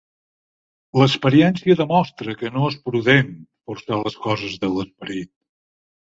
L'experiència demostra que no és prudent forçar les coses de l'esperit.